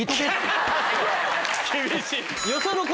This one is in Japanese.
厳しい。